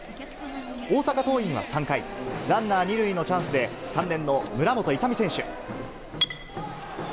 大阪桐蔭は３回、ランナー２塁のチャンスで、３年の村本勇海選手。